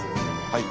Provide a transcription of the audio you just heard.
はい。